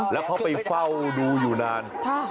แล้วเขาไปเฝ้าดูอยู่นาน